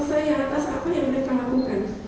saya atas apa yang mereka lakukan